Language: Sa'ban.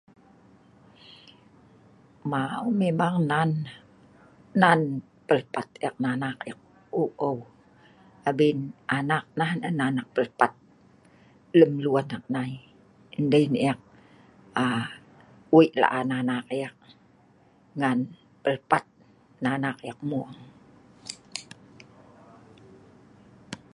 mau memang nan nan pelpat ek ngan anak ek eu eu abin anak nah nan ek pelpat lem lun ek nai dei nah ek aa weik laan anak ek ngan pelpat ngan anak ek mung